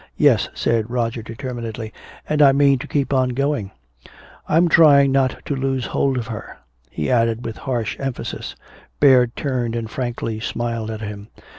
"Yes," said Roger, determinedly, "and I mean to keep on going. I'm trying not to lose hold of her," he added with harsh emphasis. Baird turned and frankly smiled at him.